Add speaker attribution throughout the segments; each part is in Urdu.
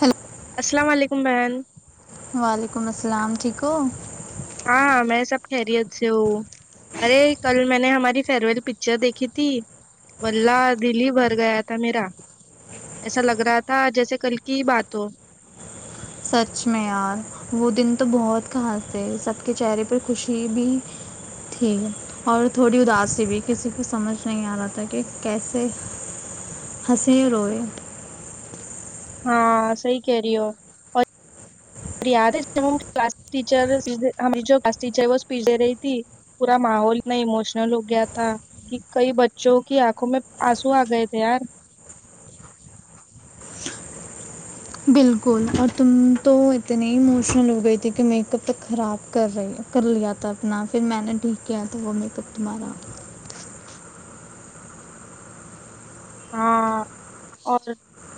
Speaker 1: ہیلو
Speaker 2: السلام علیکم بہن
Speaker 1: وعلیکم السلام ٹھیک ہو
Speaker 2: ہاں ہاں میں سب خیریت سے ہوں ارے کل میں نے ہماری فیئر ویل پکچر دیکھی تھی بلہ دل ہی بھر گیا تھا میرا ایسا لگ رہا تھا جیسے کل کی بات ہو
Speaker 1: سچ میں یار وہ دن تو بہت خاص تھے سب کے چہرے پہ خوشی بھی تھی اور تھوڑی اداسسی بھی کسی کو سمجھ نہیں آ رہا تھا کہ کیسے ہنسے روئے
Speaker 2: ہاں صحی کہہ رہی ہو اوریا کلاس ٹیچر کلاس ٹیچر وہ پھے رہی تھی پورا ماحول اتنا اموشنل ہو گیا تھا کہ کئی بچوں کی آنکھوں میں آنسو آ گئے تھے یار
Speaker 1: بالکل اور تم تو اتنی اموشنل ہو گئی تھی کہ میک اپ تو خراب کر رہی کر لیا تھا اپنا پھر میں نے ٹھیک کیا تھا وہ میک اپ تمہارا
Speaker 2: ہاں اور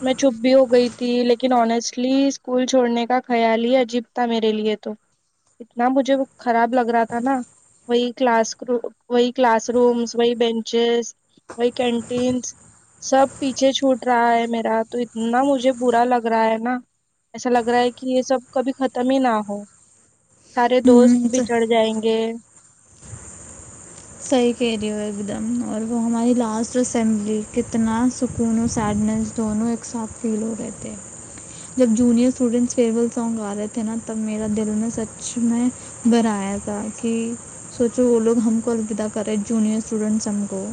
Speaker 2: میں چپ بھی ہو گئی تھی لیکن آنیسٹلی اسکول چھوڑنے کا خیال ہی عجیب تھا میرے لیے تو اتنا مجھے خراب لگ رہا تھا نا وہی کلاس ر وہی کلاس رومس وہی بینچز وہی کینٹینس سب پیچھے چھوٹ رہا ہے میرا تو اتنا مجھے برا لگ رہا ہے نا ایسا لگ رہا ہے کہ یہ سب کبھی ختم ہی نہ ہو سارے دوست
Speaker 1: ہوں
Speaker 2: بھی چڑھ جائیں گے
Speaker 1: صحیح کہہ رہی ہو ایک دم اور وہ ہماری لاسٹ اسمبلی کتنا سکون اور سیڈنیس دونوں ایک ساتھ فیل ہو رہے تھے جب جونیئر اسٹوڈین فی سونگ گ رہے تھے نا تب میرا دل میں سچ میں بھرایا تھا کہ سوچو وہ لوگ ہم کولکدہ کرے جونیئر اسٹوڈنٹ سم کوو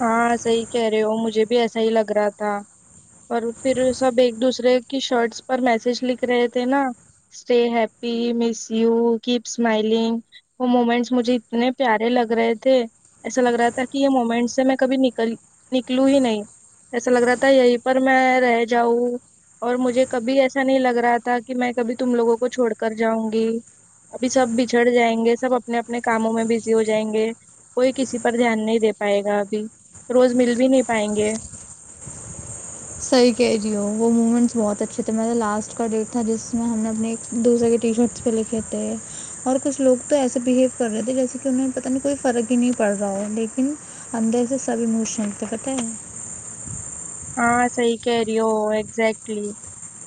Speaker 2: ہاں صحی کہہ رہے ہو مجھے بھی ایسا ہی لگ رہا تھا اور پھر سب ایک دوسرے کی شارٹس پر میسج لکھ رہے تھے نا stay happy miss you keep smiling وہ موومینٹس مجھے اتنے پیارے لگ رہے تھے ایسا لگ رہا تھا کہ یہ موومینٹس میں کبھی نکل نکلوں ہی نہیں ایسا لگ رہا تھا یہیں پر میں رہ جاؤں اور مجھے کبھی ایسا نہیں لگ رہا تھا کہ میں کبھی تم لوگوں کو چھوڑ کر جاؤں گی ابھی سب بچھڑ جائیں گے سب اپنے اپنے کاموں میں بزی ہو جائیں گے کوئی کسی پر دھیان نہیں دے پائے گا روز مل بھی نہیں پائیں گے
Speaker 1: صحیح کہہ رہی ہو وہ مومنٹس بہت اچھے تھے میر لاسٹ کا ڈیٹ تھا جس میں ہم نے اپنے ایک دوسرے کے ٹی شرٹس پہ لکھے تھے اور کچھ لوگ تو ایسے بہیو کر رہے تھے جیسے کہ انہیں پتہ نہیں کوئی فرق ہی نہیں پڑ رہا ہے لیکن اندےس سے سب ایموشن تھے پتہ ہے
Speaker 2: ہاں صحیح کہہ رہی ہو ایزیکٹلی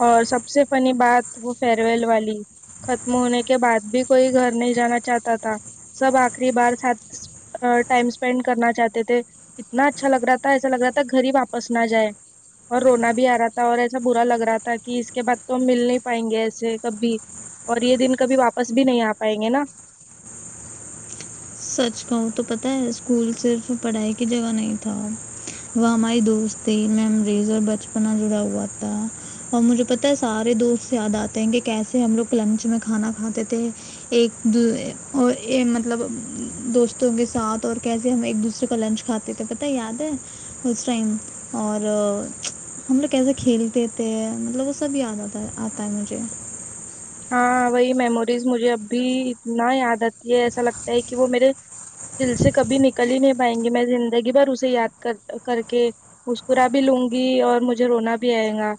Speaker 2: اور سب سے فنی بات وہ فئر ویل والی ختم ہونے کے بعد بھی کوئی گھر نہیں جانا چاہتا تھا سب آخری بار ساتھ ٹائم اسپینڈ کرنا چاہتے تھے اتنا اچھا لگ رہا تھا ایسا لگ رہا تھا گھر ہی واپس نہ جائے اور رونا بھی آ رہا تھا اور ایسا برا لگ رہا تھا کہ اس کے بعد تو ہم مل نہیں پائیں گے ایسے کبھی اور یہ دن کبھی واپس بھی نہیں آ پائیں گے نا
Speaker 1: سچ کا تو پتا ہے اسکول صرف پڑھائی کی جگہ نہیں تھا وہ ہماری دوست تھی ممریز اور بچپنا جڑا ہوا تھا اور مجھے پتا ہے سارے دوست یاد آتے ہیں کہ کیسے ہم لوگ لنچ میں کھانا کھاتے تھے ایک اور مطلب دوستوں کے ساتھ اور کیسے ہم ایک دوسرے کا لنچ کھاتے تھے پتہ یاد ہے اس ٹائم اور ہم لوگ کیسے کھیلتے تھے مطلب وہ سب یاد آتا آتا ہے مجھے
Speaker 2: ہاں وہی میموریز مجھے اب بھی اتنا یاد آتی ہے ایسا لگتا ہے کہ وہ میرے دل سے کبھی نکل ہی نہیں پائیں گی میں زندگی بھر اسے یاد کر کر کے مسکرا بھی لوں گی اور مجھے رونا بھی آئے گا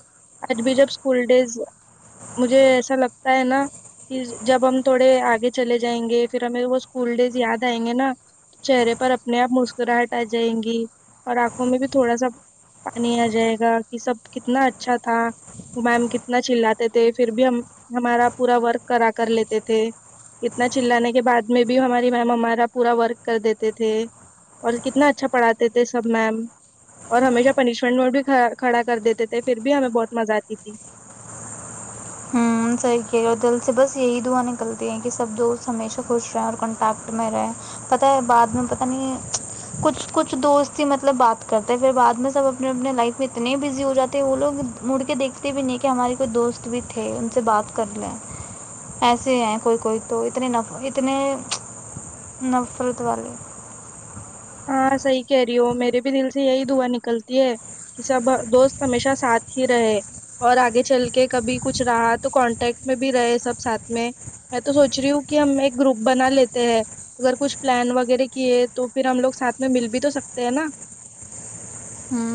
Speaker 2: آج بھی جب اسکول ڈیز مجھے ایسا لگ ہے نا کہ جب ہم تھوڑے آگے چلے جائیں گے پھر ہمیں وہ اسکول ڈیز یاد آئیں گے نا چہرے پر اپنے آپ مسکراہٹ آ جائیں گی اور آنکھوں میں بھی تھوڑا سا پانی آ جائے گا کہ سب کتنا اچھا تھا میم کتنا چلاتے تھے پھر بھی ہم ہمارا پورا ورک کرا کر لیتے تھے کتنا چللانے کے بع میں بھی ہماری میم ہمارا پورا ورک کر دیتے تھے اور کتنا اچھا پڑھاتے تھے سب میم اور ہمیشہ پنشمنٹ میں بھی کھڑا کر دیتے تھے پھر بھی ہمیں بہت مزہ آتی تھی
Speaker 1: ح اور دل سے بس یہی دعاں نکلتی ہے کہ سب دوست ہمیشہ خوش رہے اور کنٹیکٹ میں رہے پتہ ہے بد میں پت نہیں ہے کچھ کچھ دوست ہی مطلب بات کرتے پھر بع میں سب اپنے اپنے لائف میں اتنے بزی ہو جاتے وہ لوگ مڑ کے دیکھتے بھی نہیں کہ ہمارے کوئی دوست بھی تھے سے بات کر لیں ایسے ہیں کوئی کوئی تو اتنے اتنے نفرت والے
Speaker 2: ہاں صحیح کہہ رہی ہ ہو میرے بھی دل سے یہی دعا نکلتی ہے کہ سب دوست ہمیشہ ساتھ ہی رہے اور آگے چل کے کبھی کچھ رہا تو کانٹیکٹ میں بھی رہے سب سھ میں میں تو سوچ رہی ہوں کہ ہم ایک گروپ بنا لیتے ہیں اگر کچھ پلان وغیرہ کیے تو پھر ہم لوگ ساتھ میں مل بھی تو سکتے ہیں نا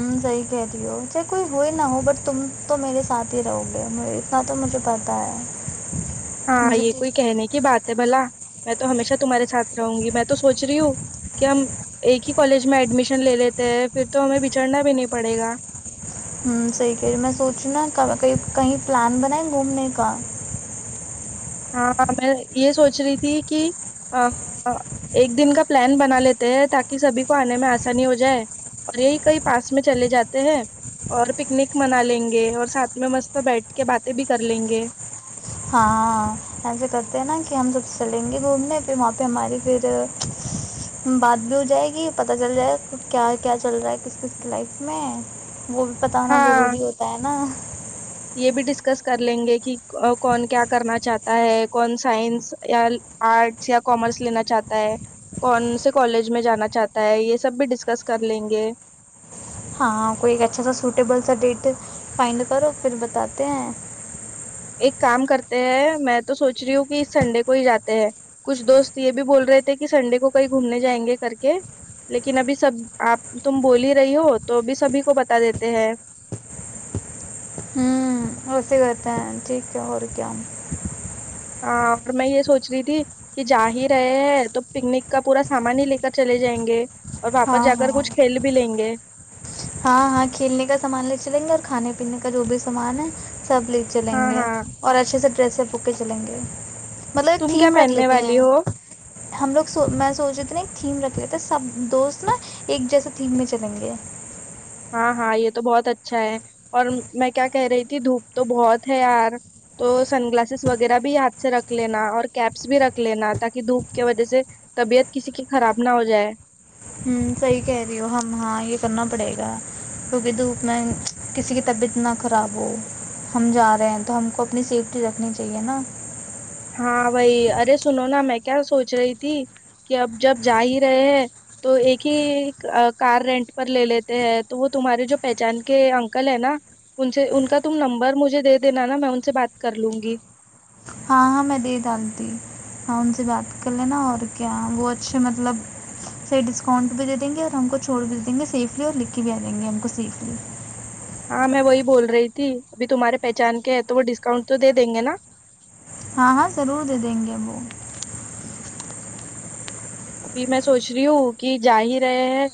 Speaker 1: ت صحیح کہہ رہی ہو چے کوئی ہوئی نہ ہو بٹ تم تو میرے ساتھ ہی رہو گے اتنا تو مجھے پتاہ ہے
Speaker 2: ہاں یہ
Speaker 1: مجھے
Speaker 2: کوئی کہنے کی بات ہے بھلا میں تو ہمیشہ تمہارے ساتھ رہوں گی میں تو سوچ رہی ہوں کہ ہم ایک ہی کالج میں ایڈمیشن لے لیتے ہیں پھر تو ہمیں بچڑنا بھی نہیں پڑے گا
Speaker 1: ہ صحیح کہے میں سوچوں نا کہیں پلان بنائے گھومنے کا
Speaker 2: ہاں میں یہ سوچ رہی تھی کہ ایک دن کا پلان بنا لیتے ہیں تاکہ سبھی کو آنے میں آسانی ہو جائے اور یہی کئی پاس میں چلے جاتے ہیں اور پکنک منا لیں گے اور ساتھ میں مست بیٹھ کے باتیں بھی کر لیں گے
Speaker 1: ہاں ایسا کرتے ہیں نا کہ ہم سب چلیں گے گھومنے پھر وہاں پہ ہماری پھر بات بھی ہو جائے گی پتا چل جائے گا کیا کیا چل رہا ہے کس کس لائف میں وہ بھی بت ہوا
Speaker 2: ہاں
Speaker 1: ضروری ہوتا ہے نا
Speaker 2: یہ بھی ڈسکس کر لیں گے کہ کون کیا کرنا چاہتا ہے کون سائنس یا آرٹس یا کامرس لینا چاہتا ہے کون سے کالج میں جانا چاہتا ہے یہ سب بھی ڈسکس کر لیں گے
Speaker 1: ہاں کوئی اچھا سا سوٹیبل سا ڈیٹ فائڈ کرو پھر بتاتے ہیں
Speaker 2: ایک کام کرتے ہے میں تو سوچ رہی ہوں کہ سنڈے کو ہی جاتے ہیں کچھ دوست یہ بھی بول رہے تھے کہ سنڈے کو کہیں گھومنے جائیں گے کر کے لیکن ابھی سب آپ تم بول ہی رہی ہو تو ابھی سبھی کو بتا دیتے ہیں
Speaker 1: ہوں ویسے کہتے ہیں ٹھیک ہے اور کیا
Speaker 2: ہاں اور میں یہ سوچ رہی تھی کہ جا ہی رہے ہیں تو پکنک کا پورا سامان ہی لے کر چلے جائیں گے اور واپس
Speaker 1: ہاں
Speaker 2: جا کر
Speaker 1: ہاں
Speaker 2: کچھ کھیل بھی لیں گے
Speaker 1: ہاں ہاں کھیلنے کا سامان لے چلیں گے اور کھانے پینے کا جو بھی سامان ہے سب لے
Speaker 2: ہاں
Speaker 1: چلیں گے
Speaker 2: ہاں
Speaker 1: اور اچھے سے پیسے بک کے چلیں گے مطلب ایک
Speaker 2: تم کیا
Speaker 1: تھیم رکھ
Speaker 2: پہننے
Speaker 1: لیتے
Speaker 2: والی ہو
Speaker 1: ہیں ہم لوگ میں سوچ رہی ت نا ایک تھیم رکھ سب دوست نا ایک جیسا تھیم میں چلیں گے
Speaker 2: ہاں ہاں یہ تو بہت اچھا ہے اور میں کیا کہہ رہی تھی دھوپ تو بہت ہے یار تو سن گلاسز وغیرہ بھی ہاتھ سے رکھ لینا اور کیپس بھی رکھ لینا تاکہ دھوپ کی وجہ سے طبیعت کسی کی خراب نہ ہو جائے
Speaker 1: صحیح کہہ رہی ہو ہم ہاں یہ کرنا پڑے گا کیونکہ دھوپ میں کسی کی طبیعت نہ خراب ہو ہم جا رہے ہیں تو ہم کو اپنی سیفٹی رکھنی چاہیے نا
Speaker 2: ہاں وہائی ارے سنو نا میں کیا سوچ رہی تھی کہ اب جب جا ہی رہے ہیں تو ایک ہی کار رینٹ پر لے لیتے ہے تو وہ تمہارے جو پہچان کے انکل ہے نا ان سے ان کا تم نمبر مجھے دے دینا نا میں ان سے بات کر لوں گی
Speaker 1: ہاں ہاں میں دے ڈالتی ہاں ان سے بات کر لینا اور کیا وہ اچھے مطلب صی ڈسکاؤنٹ بھی دے دیں گے اور ہم کو چھوڑ بھیے دیں گے سیفلی اور لک بھی آ دیں گے ہم کو سیفلی
Speaker 2: ہاں میں وہی بول رہی تھی ابھی تمہارے پہچان کے ہیں تو وہ ڈسکاؤنٹ تو دے دیں گے نا
Speaker 1: ہاں ہاں ضرور دے دیں گے وہ
Speaker 2: ابھی میں سوچ رہی ہوں کہ جا ہی رہے ہیں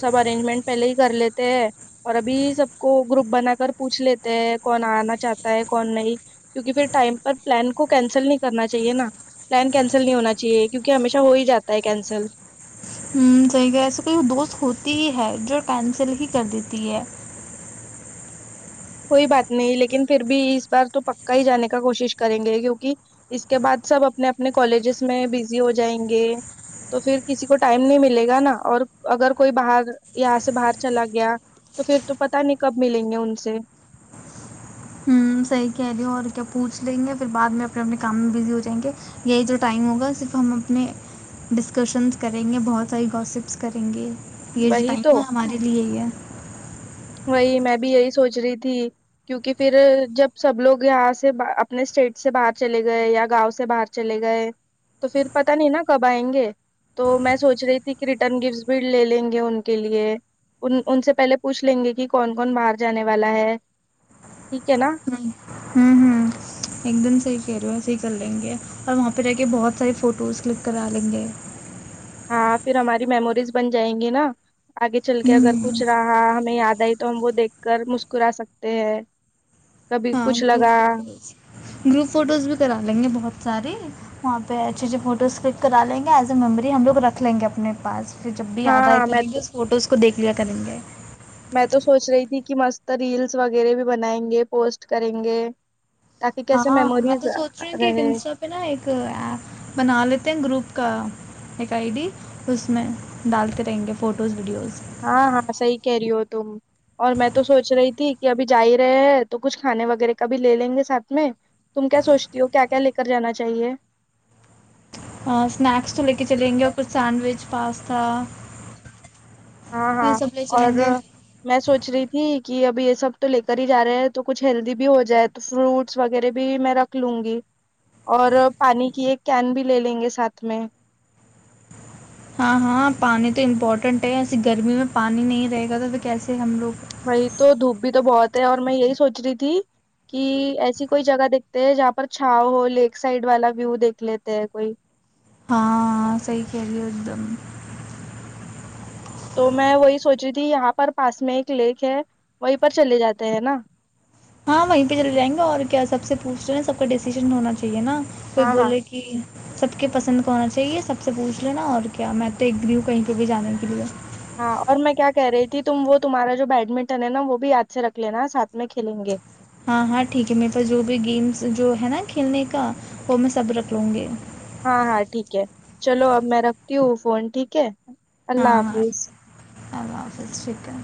Speaker 2: سب ارینجمنٹ پہلے ہی کر لیتے ہیں اور ابھی سب کو گروپ بنا کر پوچھ لیتے ہیں کون آنا چاہتا ہے کون نہیں کیونکہ پھر ٹائم پر پلان کو کینسل نہیں کرنا چاہیے نا پلان کینسل نہیں ہونا چاہیے کیونکہ ہمیشہ ہو ہی جاتا ت کینسل
Speaker 1: ہ کہیں کہ ایسے کوئی دوست ہوتی ہی ہے جو کینسل ہی کر دیتی ہے
Speaker 2: کوئی بات نہیں لیکن پھر بھی اس بار تو پکا ہی جانے کا کوشش کریں گے کیونکہ اس کے بعد سب اپنے اپنے کالجز میں بزی ہو جائیں گے تو پھر کسی کو ٹائم نہیں ملے گا نا اور اگر کوئی باہر یہاں سے باہر چلا گیا تو پھر تو پتا نہیں کب ملیں گے ان سے
Speaker 1: صحیح کہہ رہ ہو اور کیا پوچھ لیں گے پھر بعد میں اپنے اپنے کام میں بزی ہو جائیں گے یہی جو ٹائم ہوگا صرف ہم اپنے ڈسکشنس کریں گے بہت ساری گوسپس کریں گے یہ جوٹائ
Speaker 2: وہی
Speaker 1: ہے
Speaker 2: تو
Speaker 1: ہمارے لیے یہ
Speaker 2: بائی میں بھی یہی سوچ رہی تھی کیونکہ پھر جب سب لوگ یہاں سے اپنے اسٹیٹ سے باہر چلے گئے یا گاؤں سے باہر چلے گئے تو پھر پت نہیں نا کب آئیں گے تو میں سوچ رہی تھی کہ ریٹرن گفٹ بھی لے لیں گے ان کے لیے ان ان سے پہلے پوچھ لیں گے کہ کون کون باہر جانے والا ہے ٹھیک ہے نا
Speaker 1: ہوں ہوں ہوں ایک دم صحیح کہہ رہے صحیح کر لیں گے اور وہاں پہ رہ کے بہت سارے فوٹوز کلک کرا لیں گے
Speaker 2: ہاں پھر ہماری میموریز بن جائیں گی نا آگے چل کے اگر
Speaker 1: ہوں
Speaker 2: کچھ اں ہمیں یاد آئی تو ہم وہ دیکھ کر مسکرا سکتے ہیں کبھی
Speaker 1: ہاں
Speaker 2: کچھ لگ
Speaker 1: گروپ
Speaker 2: ر [inaudible]
Speaker 1: فوٹوز گروپ فوٹوز بھی کرا لیں گے بہت ساری وہاں پہ اچھے اچھے فوٹوز کلک کرا لیں گے ایز اے میموری ہم لوگ رکھ لیں گے اپنے پاس جب بھی یاد آ
Speaker 2: ہاں
Speaker 1: کریں
Speaker 2: میں
Speaker 1: گے اس فوٹوز کو دیکھ پیا کالن گائے [inaudible]
Speaker 2: میں تو سوچ رہی تھی کہ مست ریلس وغیرہ بھی بنائیں گے پوسٹ کریں گے تاکہ کیسے
Speaker 1: ہاں میں
Speaker 2: میموریز
Speaker 1: تو سوچ رہی ہوں کہ ایک
Speaker 2: رہے
Speaker 1: انسٹا پہ نا ایک بنا لیتے ہیں گروپ کا ایک آئی ڈی اس میں ڈالتے رہیں گے فوٹوز ویڈیوز
Speaker 2: ہاں ہاں صحیح کہہ رہی ہو تم اور میں تو سوچ رہی تھی کہ ابھی جا ہی رہے ہیں تو کچھ کھانے وغیرہ کا بھی لے لیں گے ساتھ میں تم کیا سوچتی ہو کیا کیا لے کر جانا چاہیے
Speaker 1: اسنیکس تو لے کے چلیں گے اور کچھ سینڈوچ پاستا
Speaker 2: ہاں
Speaker 1: یہ
Speaker 2: ہاں
Speaker 1: سب لے
Speaker 2: اور
Speaker 1: چلیں گے
Speaker 2: میں سوچ رہی تھی کہ اب یہ سب تو لے کر ہی جا رہے ہیں تو کچھ ہیلدی بھی ہو جائے تو فروٹس وغیرہ بھی میں رکھ لوں گی اور پانی کی ایک کین بھی لے لیں گے ساتھ میں
Speaker 1: ہاں ہاں پانی تو امپورٹنٹ ہے ایسے گرمی میں پانی نہیں رہے گا تو پھر کیسے ہم لوگ
Speaker 2: وہی تو دوپ بھی تو بہت ہے اور میں یہی سوچ رہی تھی کہ ایسی کوئی جگہ دیکھتے ہے جہاں پر چھاؤ ہو لیک سائڈ والا ویو دیکھ لیتے ہے کوئی
Speaker 1: ہاں صحی کہہ رہے ایک دم
Speaker 2: تو میں وہی سوچ رہی تھی یہاں پر پاس میں ایک لیک ہے وہیں پر چلے جاتے ہیں نا
Speaker 1: ہاں وہیں پہ چل جائیں گے اور کیا سب سے پوچھے نا سب کا ڈیسییشن ہونا چاہیے ٹھیک ہے نا کوئی
Speaker 2: ہاں ہاں
Speaker 1: بولے کہ سب کے پسند کونا چاہیے سب سے پوچھ لینا اور کیا میں دیکھ بھی ہوں کہیں پ بھی جانے کے لیے
Speaker 2: ہاں اور میں کیا کہہ رہی تھی ت وہ تمہارا جو بیڈمنٹن ہے نا وہ بھی یاد سے رکھ لینا ساتھ میں کھیلیں گے
Speaker 1: ہاں ہاں ٹھیک ہے میرے پاس جو بھی گیمس جو ہے نا کھیلنے کا وہ میں سب رکھ لوں گی
Speaker 2: ہاں ہاں ٹھیک ہے چلو اب میں رکھتی ہوں فون ٹھیک ہے اللہ حافظ
Speaker 1: آ س شیکن